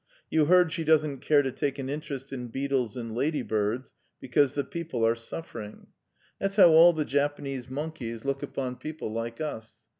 "You heard she doesn't care to take an interest in beetles and ladybirds because the people are suffering. That's how all the Japanese monkeys look upon people like us.